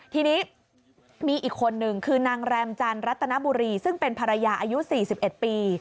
ทีนี้มีอีกคนนึงคือนางแรมจันรัตนบุรีซึ่งเป็นภรรยาอายุ๔๑ปี